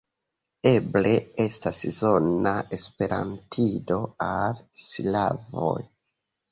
Eble estas zona esperantido al slavoj.